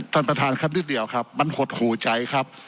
ท่านประธานครับนิดเดียวครับมันหดหูใจครับ